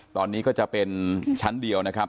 ตอนนี้ก็จะเป็นชั้นเดียวนะครับ